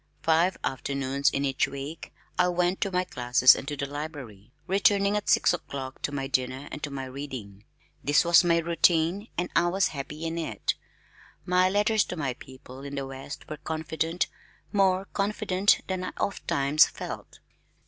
Five afternoons in each week I went to my classes and to the library, returning at six o'clock to my dinner and to my reading. This was my routine, and I was happy in it. My letters to my people in the west were confident, more confident than I ofttimes felt.